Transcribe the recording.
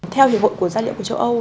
theo hiệp hội của gia liệu của châu âu